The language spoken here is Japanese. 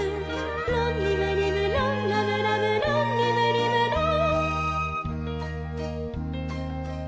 「ロンリムリムロンラムラムロンリムリムロン」